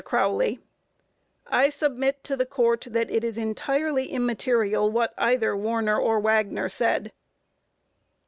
CROWLEY: I submit to the Court that it is entirely immaterial what either Warner or Wagner said.